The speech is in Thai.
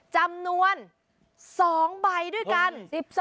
๓๕๖๕๖๔จำนวน๒ใบด้วยกัน